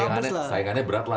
sayangannya berat lah